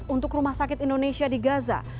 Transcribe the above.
untuk rumah sakit indonesia di gaza